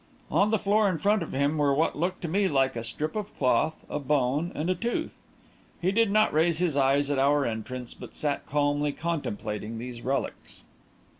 On the floor in front of him were what looked to me like a strip of cloth, a bone and a tooth. He did not raise his eyes at our entrance, but sat calmly contemplating these relics.